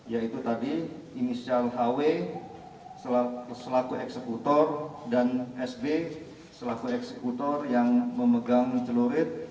yaitu tadi inisial hw selaku eksekutor dan sb selaku eksekutor yang memegang celurit